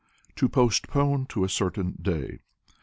To Postpone to a Certain Day.